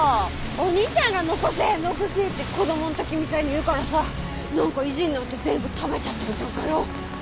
お兄ちゃんが残せ残せって子供んときみたいに言うからさ何か意地になって全部食べちゃったんじゃんかよ。